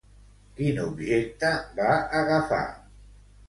Quin objecte va agafar?